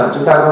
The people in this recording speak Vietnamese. vâng vâng vâng